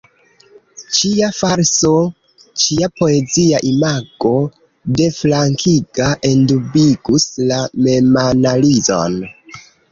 Ĉia falso, ĉia poezia imago deflankiga, endubigus la memanalizon.